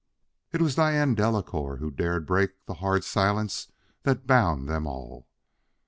It was Diane Delacouer who dared to break the hard silence that bound them all.